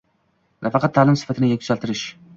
nafaqat ta’lim sifatini yuksaltirish